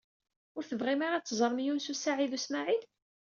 Ur tebɣim ara ad teẓṛem Yunes u Saɛid u Smaɛil?